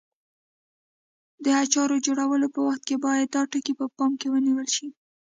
د اچارو جوړولو په وخت کې باید دا ټکي په پام کې ونیول شي.